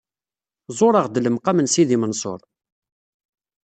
Ẓureɣ-d lemqam n Sidi Mensuṛ.